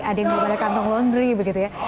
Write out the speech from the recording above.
ada yang belum ada kantong laundry begitu ya